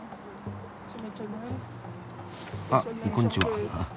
あっこんにちは。